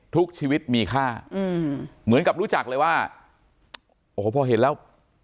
ทุกชีวิตมีค่าเหมือนกับรู้จักเลยว่าโอ้โหพอเห็นแล้ว